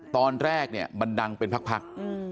ตอนแรกมันดังเป็นพัก